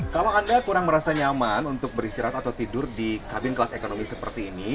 kalau anda kurang merasa nyaman untuk beristirahat atau tidur di kabin kelas ekonomi seperti ini